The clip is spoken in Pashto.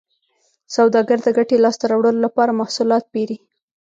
سوداګر د ګټې لاسته راوړلو لپاره محصولات پېري